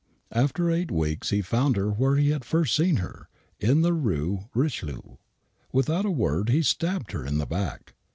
After eight weeks he found her where he had first seen her, in the Rue Richelieu. Without a word, he stabbed her in the back.